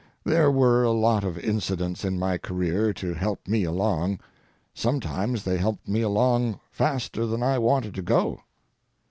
There were a lot of incidents in my career to help me along—sometimes they helped me along faster than I wanted to go.